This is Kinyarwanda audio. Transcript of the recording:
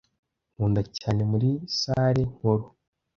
nkunda cyane muri salle nkuru